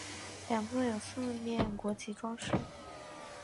两侧有四面国旗装饰。